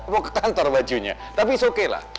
mau ke kantor bajunya tapi it's okay lah